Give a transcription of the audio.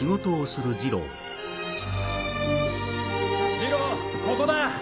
二郎ここだ！